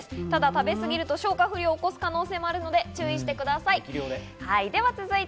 食べすぎると消化不良が起こる可能性もあるので気をつけてください。